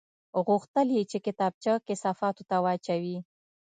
غوښتل یې چې کتابچه کثافاتو ته واچوي